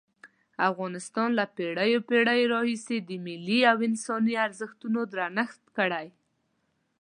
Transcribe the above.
افغانستان له پېړیو پېړیو راهیسې د ملي او انساني ارزښتونو درنښت کړی.